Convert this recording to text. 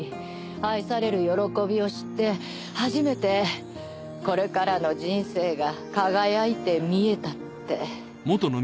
愛される喜びを知って初めてこれからの人生が輝いて見えたって。